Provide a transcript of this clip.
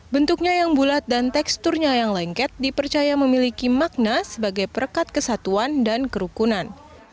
bentuknya yang bulat dan teksturnya yang lengket dipercaya memiliki makna sebagai perekat kesatuan dan kerukunan